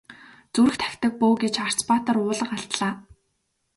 Зүрх тахидаг бөө гэж Арц баатар уулга алдлаа.